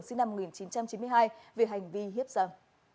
cơ quan công an cường xin năm một nghìn chín trăm chín mươi hai về hành vi hiếp dâm